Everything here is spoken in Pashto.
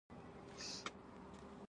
ژباړن یو افغان زلمی و.